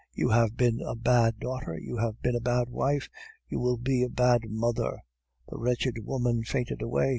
'You have been a bad daughter; you have been a bad wife; you will be a bad mother.' "The wretched woman fainted away.